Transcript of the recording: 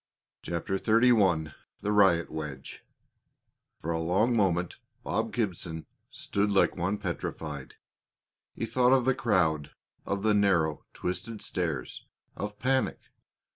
CHAPTER XXXI THE RIOT WEDGE For a long moment Bob Gibson stood like one petrified. He thought of the crowd, of the narrow, twisted stairs, of panic.